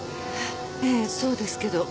ええそうですけど。